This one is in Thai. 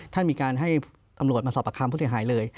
ท่านมีการให้ตำรวจมาสอบประคัมผู้เสียหายเลย